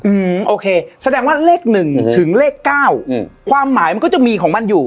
อืมโอเคแสดงว่าเลขหนึ่งถึงเลขเก้าอืมความหมายมันก็จะมีของมันอยู่